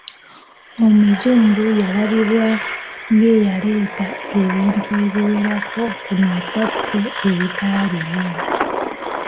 Omuzungu yalabibwa ng’eyaleeta ebintu ebiwerako kuno okwaffe ebitaaliwo.